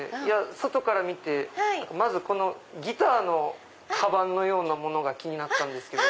外から見てまずこのギターのカバンのようなものが気になったんですけど。